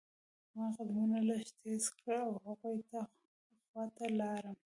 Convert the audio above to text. ما قدمونه لږ تیز کړل او هغوی خوا ته لاړم.